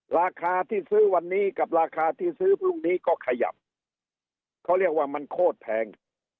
ราคาที่ซื้อวันนี้กับราคาที่ซื้อพรุ่งนี้ก็ขยับเขาเรียกว่ามันโคตรแพง